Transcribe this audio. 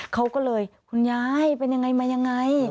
เขาก็เลยคุณยายเป็นยังไงมายังไง